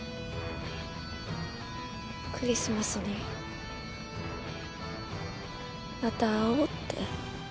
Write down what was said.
クリスマスにまた会おうって。